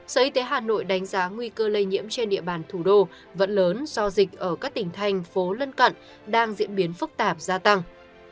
sở y tế hà nội đánh giá nguy cơ lây nhiễm trên địa bàn thủ đô vẫn lớn do dịch ở các tỉnh thành phố lân cận đang diễn biến phức tạp gia tăng